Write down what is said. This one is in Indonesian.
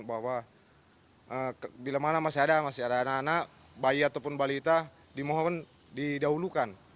bahwa bila malam masih ada anak anak bayi ataupun balita dimohon didahulukan